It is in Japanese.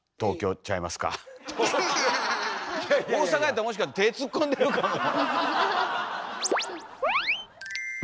大阪やったらもしか手突っ込んでるかも。